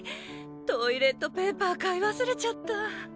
トイレットペーパー買い忘れちゃった。